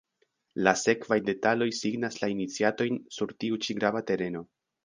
La sekvaj detaloj signas la iniciatojn sur tiu ĉi grava tereno.